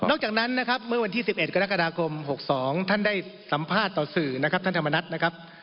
จากนั้นนะครับเมื่อวันที่๑๑กรกฎาคม๖๒ท่านได้สัมภาษณ์ต่อสื่อนะครับท่านธรรมนัฐนะครับ